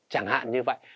chẳng hạn như vậy